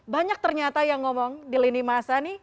banyak ternyata yang ngomong di lini masa nih